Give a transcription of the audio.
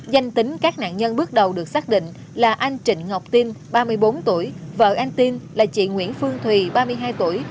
danh tính các nạn nhân bước đầu được xác định là anh trịnh ngọc tin ba mươi bốn tuổi vợ anh tin là chị nguyễn phương thùy ba mươi hai tuổi